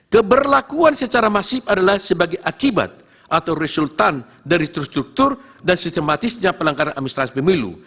keberlakuan secara masif adalah sebagai akibat atau resultan dari struktur dan sistematisnya pelanggaran administrasi pemilu